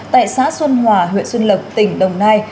tại xã xuân hòa huyện xuân lộc tỉnh đồng nai